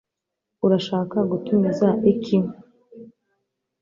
urashaka gutumiza iki